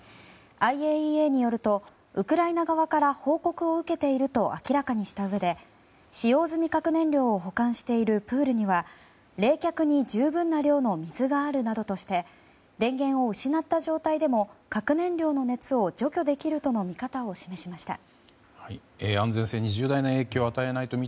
ＩＡＥＡによるとウクライナ側から報告を受けていると明らかにしたうえで使用済み核燃料を保管しているプールには冷却に十分な量の水があるなどとして電源を失った状態でも核燃料の熱を除去できるとの見方を示しました。